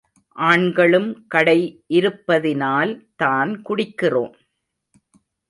ஆண்களும் கடை இருப்பதினால்தான் குடிக்கிறோம்.